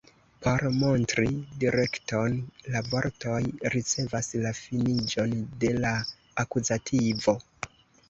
Por montri direkton, la vortoj ricevas la finiĝon de la akuzativo.